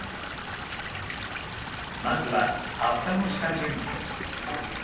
まずは葉っぱの下準備。